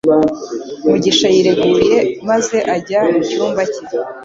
Mugisha yireguye maze ajya mu cyumba cye